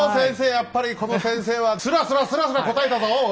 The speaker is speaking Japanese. やっぱりこの先生はスラスラスラスラ答えたぞおい。